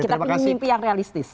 kita mimpi yang realistis